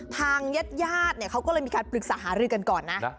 ทางเย็ดเนี่ยเขาก็เลยมีการปรึกสาหรือกันก่อนนะ